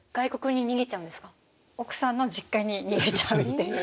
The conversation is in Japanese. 奥さんの実家に逃げちゃうっていう。